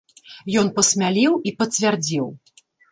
Ён пасмялеў і пацвярдзеў.